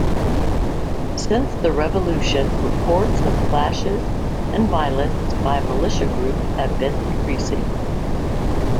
Since the revolution, reports of clashes and violence by militia groups have been increasing.